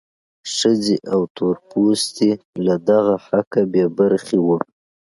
ښځې او تور پوستي له دغه حقه بې برخې وو.